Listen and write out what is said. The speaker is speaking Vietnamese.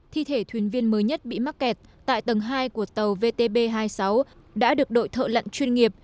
thi thể thuyền viên mới nhất bị mắc kẹt tại tầng hai của tàu vtb hai mươi sáu đã được đội thợ lặn chuyên nghiệp